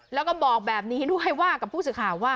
แล้วก็บอกแบบนี้ด้วยว่ากับผู้สื่อข่าวว่า